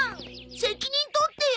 責任とってよ。